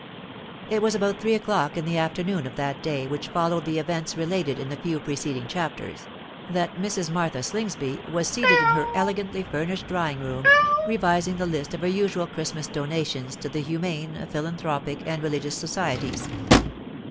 It was about three o'clock in the afternoon of that day which followed the events related in the few preceding chapters, that Mrs. Martha Slingsby was seated in her elegantly furnished drawing room, revising the list of her usual Christmas donations to the humane, philanthropic, and religious Societies.